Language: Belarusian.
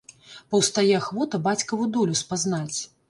Паўстае ахвота бацькаву долю спазнаць.